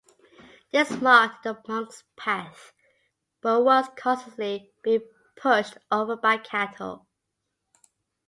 This marked the Monk's Path but was constantly being pushed over by cattle.